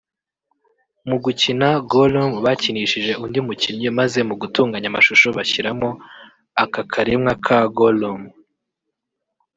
Mu gukina Gollum bakinishije undi mukinnyi maze mu gutunganya amashusho bashyiramo aka karemwa ka Gollum